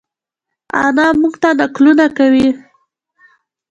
انا مونږ ته نقلونه کوی